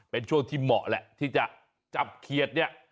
เป็นช่วงที่เหมาะแหละที่จะจับเขียดเนี่ย